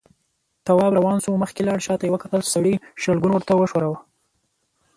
تواب روان شو، مخکې لاړ، شاته يې وکتل، سړي شلګون ورته وښوراوه.